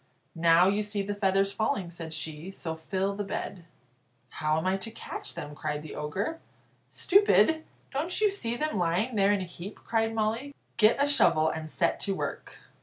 "Now you see the feathers falling," said she, "so fill the bed." "How am I to catch them?" cried the Ogre. "Stupid! don't you see them lying there in a heap?" cried Molly; "get a shovel, and set to work."